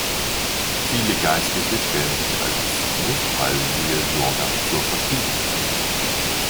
Viele Geistliche stellten sich als Notfallseelsorger zur Verfügung.